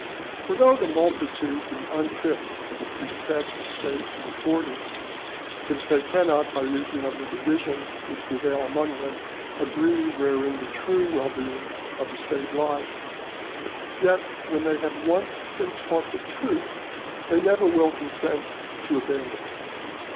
For though the multitude be unfit to set a State in order, since they cannot, by reason of the divisions which prevail among them, agree wherein the true well being of the State lies, yet when they have once been taught the truth, they never will consent to abandon it.